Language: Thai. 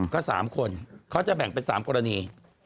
ก็สามคนเขาจะแบ่งเป็นสามกรณี